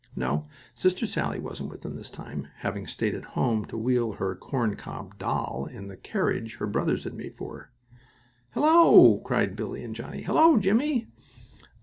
No, Sister Sallie wasn't with them this time, having stayed at home to wheel her corncob doll in the carriage her brothers had made for her. "Hello!" cried Billie and Johnnie. "Hello, Jimmie!"